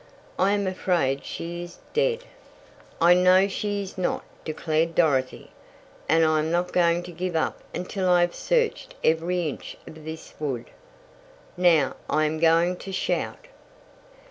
I am afraid she is dead." "I know she is not," declared Dorothy, "and I am not going to give up until I have searched every inch of this wood. Now I am going to shout!"